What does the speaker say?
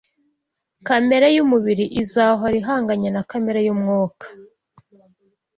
kamere y’umubiri izahora ihanganye na kamere y’umwuka.